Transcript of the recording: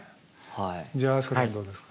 じゃあ飛鳥さんどうですか？